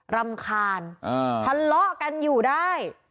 รำคาญทะเลาะกันอยู่ได้